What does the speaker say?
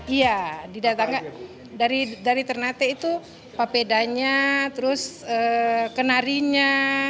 iya didatangkan dari ternate itu papedanya terus kenarinya